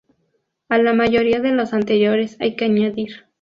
A la mayoría de los anteriores hay que añadir.